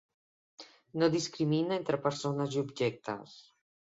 No discrimina entre persones i objectes.